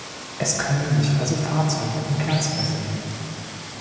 Es können sich also Fahrzeuge im Gleis befinden.